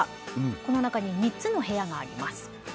この中に３つの部屋があります。